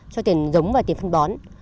cho tiền giống và tiền phân bón